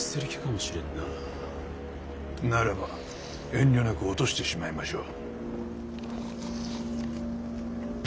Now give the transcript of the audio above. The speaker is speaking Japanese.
ならば遠慮なく落としてしまいましょう。